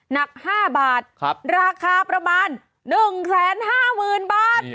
หนัก๕บาทราคาประมาณ๑๕๐๐๐บาท